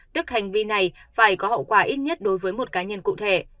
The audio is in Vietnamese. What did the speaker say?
tức hành vi này phải có hậu quả ít nhất đối với một cá nhân cụ thể